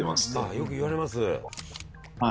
よく言われます。